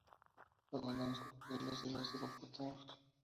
Abundan los cocodrilos y los hipopótamos.